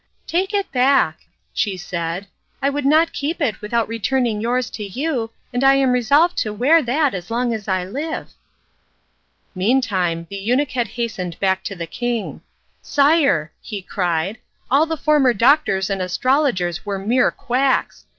"Take it back," she said, "I could not keep it without returning yours to you, and I am resolved to wear that as long as I live." Meantime the eunuch had hastened back to the king. "Sire," he cried, "all the former doctors and astrologers were mere quacks.